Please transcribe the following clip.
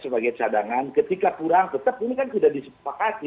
sebagai cadangan ketika kurang tetap ini kan sudah disepakati